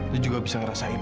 lo juga bisa ngerasain